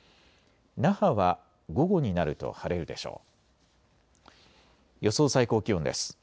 那覇は午後になると晴れるでしょう。